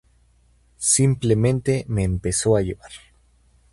Simplemente me empezó a llevar.